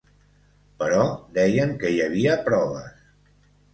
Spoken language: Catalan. Però deien que hi havia proves.